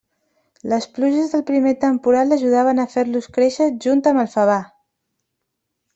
Les pluges del primer temporal ajudaven a fer-los créixer junt amb el favar.